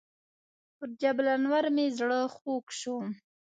پر جبل النور مې زړه خوږ شو.